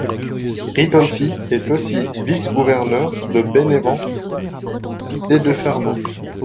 Ridolfi est aussi vice-gouverneur de Bénévent et de Fermo.